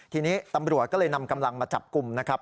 ทีนี้ตำรวจก็เลยนำกำลังมาจับกลุ่มนะครับ